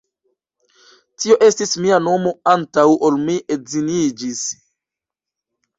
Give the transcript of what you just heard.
Tio estis mia nomo antaŭ ol mi edziniĝis!